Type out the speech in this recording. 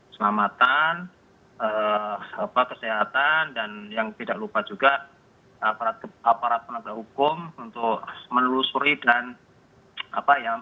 selamatan kesehatan dan yang tidak lupa juga aparat penegak hukum untuk menelusuri dan apa ya